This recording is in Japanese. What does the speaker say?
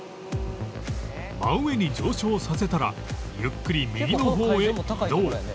真上に上昇させたらゆっくり右の方へ移動